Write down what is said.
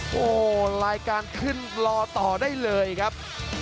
โอ้โหรายการขึ้นรอต่อได้เลยครับ